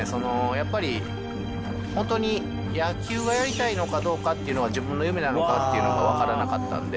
やっぱり、本当に野球がやりたいのかどうかっていうのが自分の夢なのかっていうのが分からなかったんで。